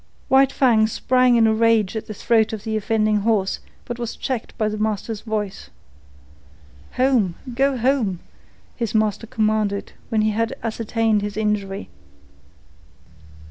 White Fang sprang in a rage at the throat of the offending horse, but was checked by the master's voice. "Home! Go home!" the master commanded when he had ascertained his injury.